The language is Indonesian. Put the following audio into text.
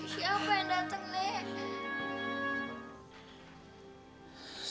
siapa yang datang